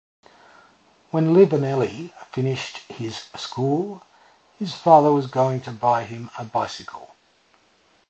When Livaneli finished his school his father was going to buy him a bicycle.